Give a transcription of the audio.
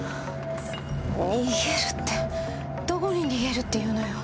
逃げるってどこに逃げるって言うのよ。